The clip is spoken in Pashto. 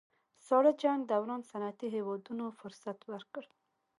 ساړه جنګ دوران صنعتي هېوادونو فرصت ورکړ